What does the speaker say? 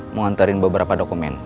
mau nganterin beberapa dokumen